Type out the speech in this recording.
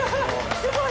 すごい！